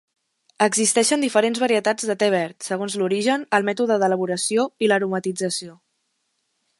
Existeixen diferents varietats de te verd, segons l'origen, el mètode d'elaboració i l'aromatització.